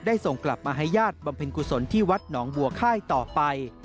ส่งกลับมาให้ญาติบำเพ็ญกุศลที่วัดหนองบัวค่ายต่อไป